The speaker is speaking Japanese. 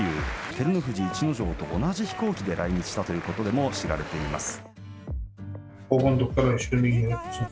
照ノ富士、逸ノ城と同じ飛行機で来日したということでも知られています。